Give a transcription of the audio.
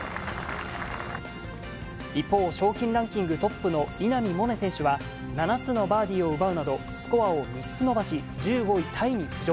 一方、賞金ランキングトップの稲見萌寧選手は、７つのバーディーを奪うなど、スコアを３つ伸ばし、１５位タイに浮上。